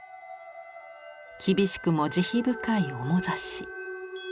厳しくも慈悲深い面ざし。